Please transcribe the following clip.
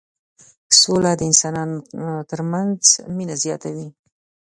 سوله د انسانانو ترمنځ مينه زياتوي.